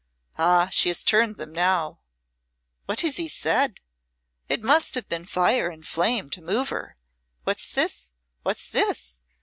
Ah, she has turned them now. What has he said? It must have been fire and flame to move her. What's this what's this?"